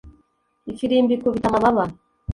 Ifirimbi ikubita amababa